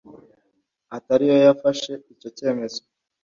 atari yo yafashe icyo cyemezo.